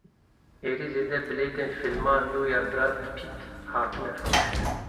Herî zêde bilêtên fîlma nû ya Brad Pitt hatine firotin.